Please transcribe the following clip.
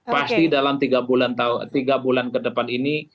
pasti dalam tiga bulan ke depan ini